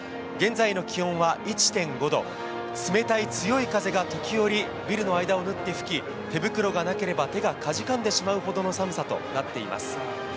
現在の気温は１．５度、冷たい強い風が時折、ビルの間を縫って吹き、手袋がなければ手がかじかんでしまうほどの寒さとなっています。